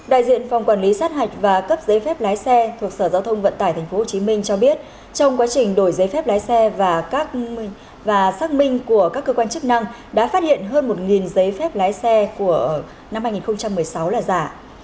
đại diện phòng quản lý sát hạch và cấp giấy phép lái xe thuộc sở giao thông vận tải tp hcm cho biết trong quá trình đổi giấy phép lái xe và xác minh của các cơ quan chức năng đã phát hiện hơn một giấy phép lái xe của năm hai nghìn một mươi sáu là giả